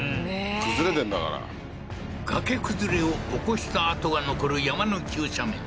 崩れてんだから崖崩れを起こした跡が残る山の急斜面